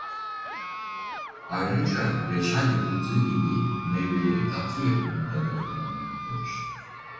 Ayrıca reçel yapıldığı gibi meyveleri tatlı yapımında da kullanılmaktadır.